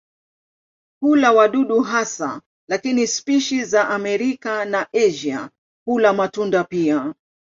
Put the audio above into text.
Hula wadudu hasa lakini spishi za Amerika na Asia hula matunda pia.